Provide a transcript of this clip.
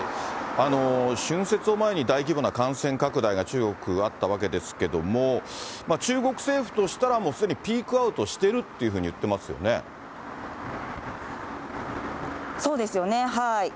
春節を前に大規模な感染拡大が中国あったわけですけども、中国政府としたら、もうすでにピークアウトしてるっていうふうに言ってますよね。